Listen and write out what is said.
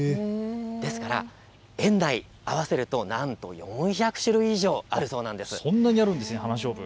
ですから園内、合わせると４００種類以上あるそうです。